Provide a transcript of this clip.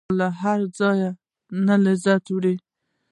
او له هر څه نه لذت وړي.